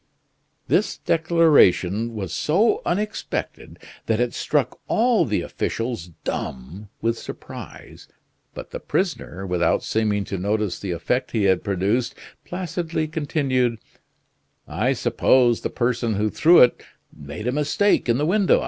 This declaration was so unexpected, that it struck all the officials dumb with surprise, but the prisoner, without seeming to notice the effect he had produced, placidly continued: "I suppose the person who threw it, made a mistake in the window.